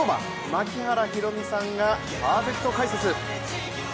槙原寛己さんがパーフェクト解説。